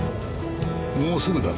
もうすぐだね。